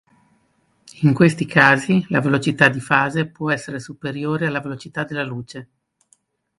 In questi casi la velocità di fase può essere superiore alla velocità della luce.